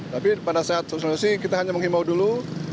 tapi pada saat sosialisasi kita hanya menghimbau dulu